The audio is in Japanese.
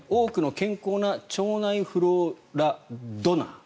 多くの健康な腸内フローラドナー。